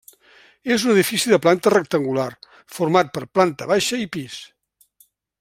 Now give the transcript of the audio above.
És un edifici de planta rectangular, format per planta baixa i pis.